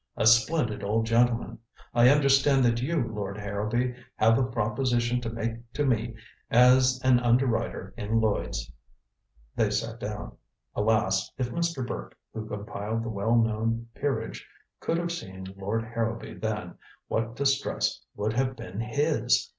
"A splendid old gentleman. I understand that you, Lord Harrowby, have a proposition to make to me as an underwriter in Lloyds." They sat down. Alas, if Mr. Burke, who compiled the well known Peerage, could have seen Lord Harrowby then, what distress would have been his!